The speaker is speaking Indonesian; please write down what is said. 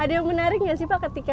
ada yang menarik nggak sih pak ketika